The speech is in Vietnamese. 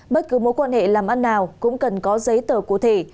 bất cứ mối quan hệ làm ăn nào cũng cần có giấy tờ cụ thể